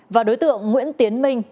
và đối tượng nguyễn tiến minh